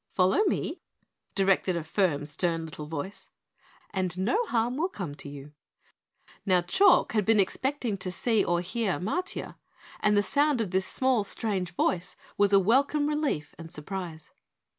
"Follow me," directed a firm, stern little voice, "and no harm will come to you." Now Chalk had been expecting to see or hear Matiah, and the sound of this small strange voice was a welcome relief and surprise.